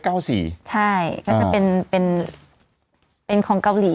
ใช่ก็จะเป็นของเกาหลี